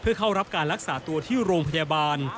เพื่อเข้ารับการรักษาตัวที่โรงพยาบาล